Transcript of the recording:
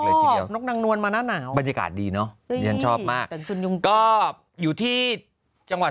เลยนกนางนวลมาหนาวบรรยากาศดีเนาะยังชอบมากก็อยู่ที่จังหวัด